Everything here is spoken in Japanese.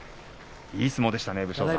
いい相撲でしたね武将山。